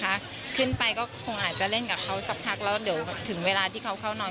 และแล้วก็ต้องมีความสะทุกที่ได้